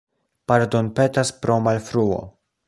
Pardonpetas pro malfruo.